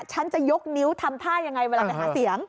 ฉันจะยกนิ้วทำท่ายังไงเวลาไปหาเสียง